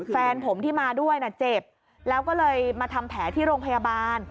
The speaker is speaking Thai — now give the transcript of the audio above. แฟนผมที่มาด้วยนะเจ็บแล้วก็เลยมาทำแผลที่โรงพยาบาล